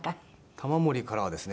玉森からはですね